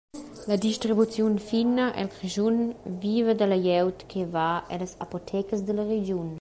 La distribuziun fina el Grischun viva dalla glieud che va ellas apotecas dalla regiun.